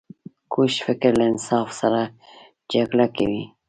کوږ فکر له انصاف سره جګړه کوي